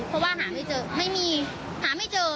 เพราะว่าหาไม่เจอไม่มีหาไม่เจอ